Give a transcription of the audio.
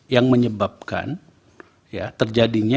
yang menyebabkan ya terjadinya